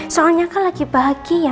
soalnya kan lagi pagi ya